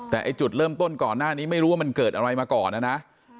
แต่ไอ้จุดเริ่มต้นก่อนหน้านี้ไม่รู้ว่ามันเกิดอะไรมาก่อนนะนะ